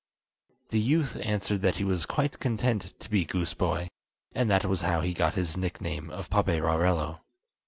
The youth answered that he was quite content to be goose boy; and that was how he got his nickname of Paperarello.